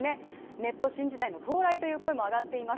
ネット新時代の到来という声も上がっています